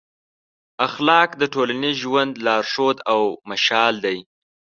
اخلاق د ټولنیز ژوند لارښود او مشال دی.